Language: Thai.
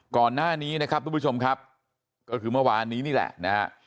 ก่อนหน้านี้นะครับทุกผู้ชมครับก็คือเมื่อวานนี้นี่แหละนะฮะ